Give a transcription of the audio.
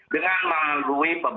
dengan melalui beberapa